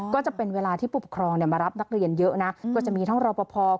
อ๋อก็จะเป็นเวลาที่ปุ๊บครองเนี้ยมารับนักเรียนเยอะน่ะก็จะมีทั้งราวประพอบ์